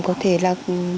có thể là